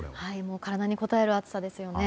体にこたえる暑さですよね。